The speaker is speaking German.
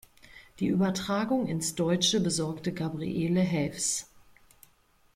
Die Übertragung ins Deutsche besorgte Gabriele Haefs.